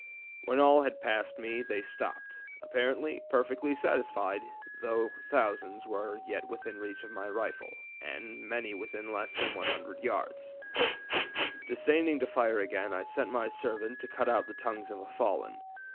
When all had passed me they stopped, apparently perfectly satisfied, though thousands were yet within reach of my rifle and many within less than 100 yards. Disdaining to fire again, I sent my servant to cut out the tongues of the fallen.